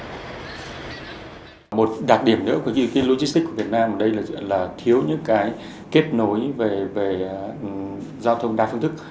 một đặc điểm nữa của như logistics của việt nam ở đây là thiếu những cái kết nối về giao thông đa phương thức